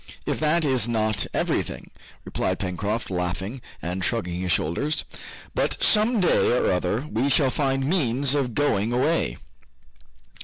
"If that is not everything!" replied Pencroft, laughing and shrugging his shoulders. "But, some day or other, we shall find means of going away!"